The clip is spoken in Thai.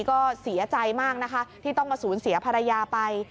ก็เสียใจมากนะคะที่ต้องมาสูญเสียภรรยาไป